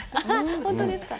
本当ですか？